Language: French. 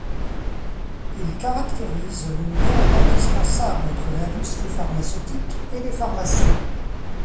Il caractérise le lien indispensable entre l’industrie pharmaceutique et les pharmaciens.